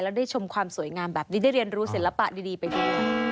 แล้วได้ชมความสวยงามแบบนี้ได้เรียนรู้ศิลปะดีไปด้วย